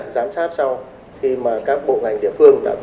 giám sát hậu kiểm đó có phát hiện ra